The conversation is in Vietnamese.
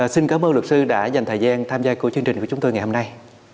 xin cảm ơn luật sư đã dành thời gian tham gia của chương trình của chúng tôi ngày hôm nay